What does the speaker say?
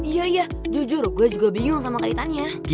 iya ya jujur gue juga bingung sama kaitannya